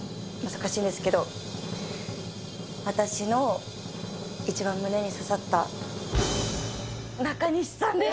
難しいんですけど、私の一番胸に刺さった中西さんです。